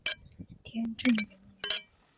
天正元年。